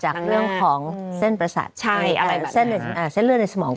ขึ้นกับเส้นประสาทที่ปาก